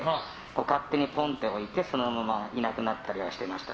勝手にポンっておいて、そのままいなくなったりしてました。